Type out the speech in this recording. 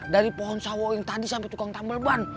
dari pohon sawo yang tadi sampe tukang tambel ban